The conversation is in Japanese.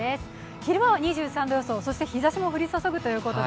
昼間は２３度予想そして日ざしも降り注ぐということで。